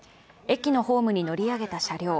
駅のホームに乗り上げた車両。